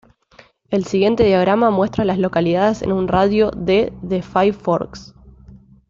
El siguiente diagrama muestra a las localidades en un radio de de Five Forks.